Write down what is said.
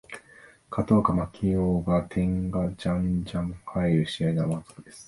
勝とうが負けようが点がじゃんじゃん入る試合なら満足です